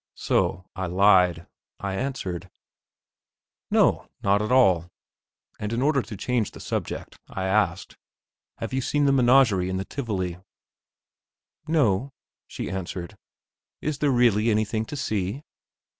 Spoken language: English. So I lied. I answered: "No, not at all"; and, in order to change the subject, I asked, "Have you seen the menagerie in the Tivoli?" "No," she answered; "is there really anything to see?"